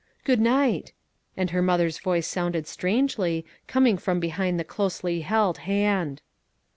"Good night;" and her mother's voice sounded strangely, coming from behind the closely held hand.